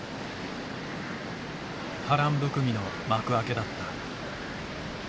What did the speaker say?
波乱含みの幕開けだった。